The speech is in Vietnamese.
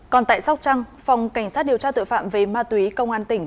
còn tại sóc trăng phòng cảnh sát điều tra tội phạm về ma túy công an tỉnh